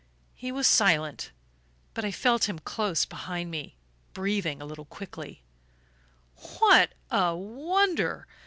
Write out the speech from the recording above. He was silent; but I felt him close behind me, breathing a little quickly. "What a wonder!